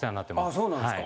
あそうなんですか。